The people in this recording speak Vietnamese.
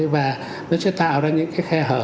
và nó sẽ tạo ra những cái khe hở